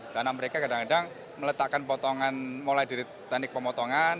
karena mereka kadang kadang meletakkan potongan mulai dari teknik pemotongan